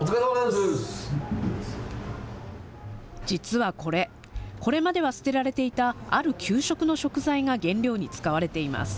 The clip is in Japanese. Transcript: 実はこれ、これまでは捨てられていたある給食の食材が原料に使われています。